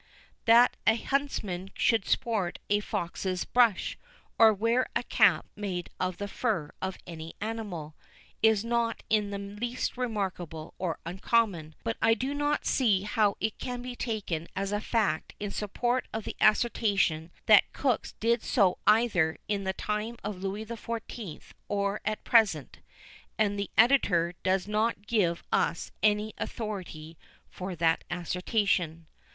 That a huntsman should sport a fox's brush, or wear a cap made of the fur of any animal, is not in the least remarkable or uncommon; but I do not see how it can be taken as a fact in support of the assertion that cooks did so either in the time of Louis XIV. or at present; and the Editor does not give us any authority for that assertion.